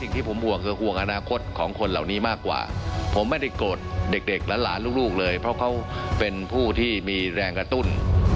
ที่ผมห่วงคือห่วงอนาคตของคนเหล่านี้มากกว่าผมไม่ได้โกรธเด็กหลานลูกเลยเพราะเขาเป็นผู้ที่มีแรงกระตุ้น